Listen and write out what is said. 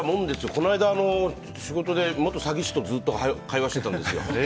この間、仕事で元詐欺師とずっと会話してたんですよ。